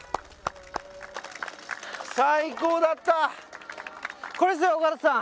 最高だったこれですよ尾形さん